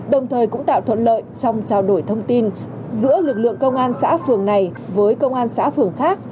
đồng thời cũng tạo thuận lợi trong trao đổi thông tin giữa lực lượng công an xã phường này với công an xã phường khác